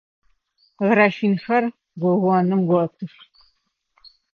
Графинхэр гогоным готых.